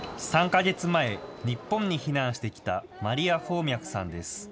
３か月前、日本に避難してきたマリア・ホーミャクさんです。